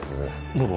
どうも。